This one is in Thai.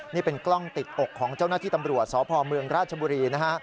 นี่เป็นกล้องติดอกของเจ้าหน้าที่ตำรวจสพเมืองราชบุรีนะฮะ